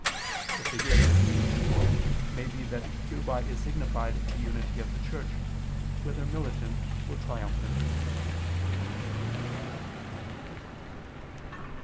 The figurative reason may be that hereby is signified the unity of the Church, whether militant or triumphant.